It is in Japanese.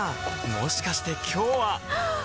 もしかして今日ははっ！